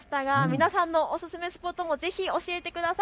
皆さんのおすすめスポットもぜひ教えてください。